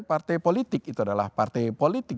partai politik itu adalah partai politik